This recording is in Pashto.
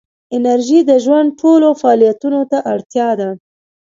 انرژي د ژوند ټولو فعالیتونو ته اړتیا ده.